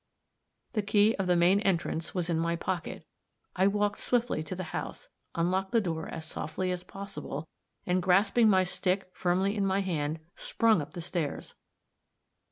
The key of the main entrance was in my pocket; I walked swiftly to the house, unlocked the door as softly as possible, and grasping my stick firmly in my hand, sprung up the stairs.